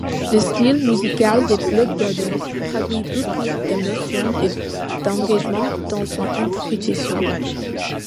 Le style musical des Blood Brothers traduit beaucoup d'émotion et d'engagement dans son interprétation.